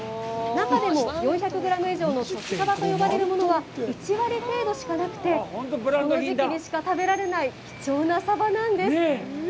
中でも４００グラム以上の「旬さば」と呼ばれるものは、１割程度しかなくて、この時期にしか食べられない貴重なサバなんです。